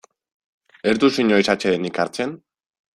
Ez duzu inoiz atsedenik hartzen?